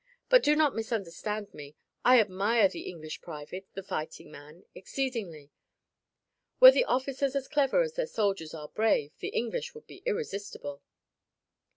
But do not misunderstand me; I admire the English private the fighting man exceedingly. Were the officers as clever as their soldiers are brave, the English would be irresistible."